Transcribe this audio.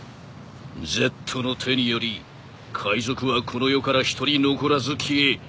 Ｚの手により海賊はこの世から一人残らず消え滅亡するのだ。